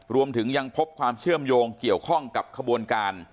รวมถึงยังพบความเชื่อมโยงเกี่ยวข้องกับขบวนการ